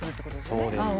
そうです。